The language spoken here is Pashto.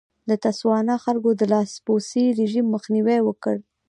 د تسوانا خلکو د لاسپوڅي رژیم مخنیوی وکړ.